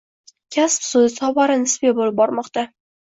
Kasb so'zi tobora nisbiy bo'lib bormoqda